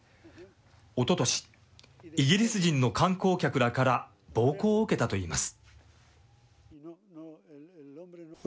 おととし、イギリス人の観光客らから暴行を受けたといいます。